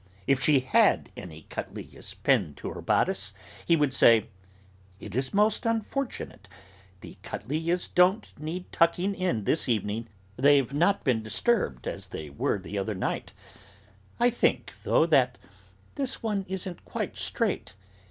If she had any cattleyas pinned to her bodice, he would say: "It is most unfortunate; the cattleyas don't need tucking in this evening; they've not been disturbed as they were the other night; I think, though, that this one isn't quite straight.